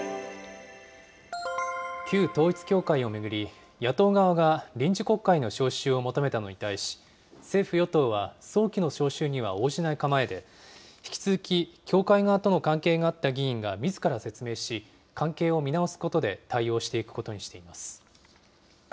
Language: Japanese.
旧統一教会を巡り、野党側が臨時国会の召集を求めたのに対し、政府・与党は早期の召集には応じない構えで、引き続き教会側との関係があった議員がみずから説明し、関係を見直すことで対応していくことにしています。